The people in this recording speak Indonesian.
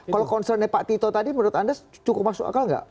kalau concernnya pak tito tadi menurut anda cukup masuk akal nggak